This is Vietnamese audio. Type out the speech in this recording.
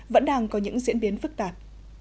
vẫn đang có những diễn biến phức tạp